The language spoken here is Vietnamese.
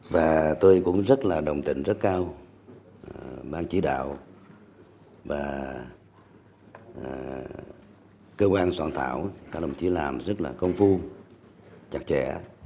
và tôi cũng rất là đồng tình rất cao mang chỉ đạo và cơ quan soạn thảo các đồng chí làm rất là công phu chặt chẽ